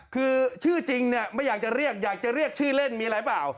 คือชื่อจริงเนี่ยไม่อยากจะเรียกอยากจะเรียกชื่อเล่นมีอะไรเปล่า